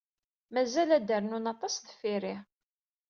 Mazal ad d-rnun aṭas deffir-i.